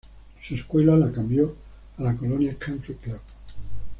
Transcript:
Su escuela la cambió a la Colonia Country Club.